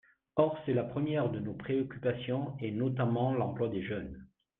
Or c’est la première de nos préoccupations, et notamment l’emploi des jeunes.